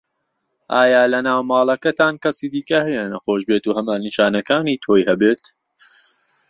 ئایا لەناو ماڵەکەتان کەسی دیکه هەیە نەخۆش بێت و هەمان نیشانەکانی تۆی هەبێت؟